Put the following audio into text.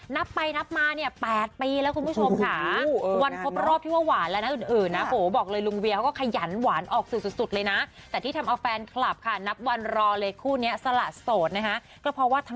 นับไปนับมาเนี่ย๘ปีแล้วคุณผู้ชมค่ะวันพบรอบที่ว่าหวานแล้วนะอื่นนะ